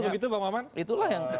betul begitu pak maman